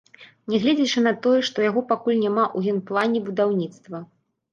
Нягледзячы на тое, што яго пакуль няма ў генплане будаўніцтва.